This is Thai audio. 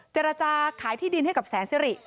เจรจาขายที่ดินให้กับแสนสิริ